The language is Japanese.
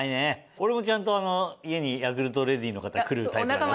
俺もちゃんと家にヤクルトレディの方来るタイプだから。